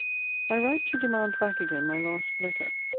I write to demand back again my last letter.